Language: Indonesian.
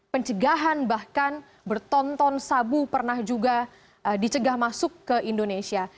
pencegahan bahkan bertonton sabu pernah juga dicegah masuk ke indonesia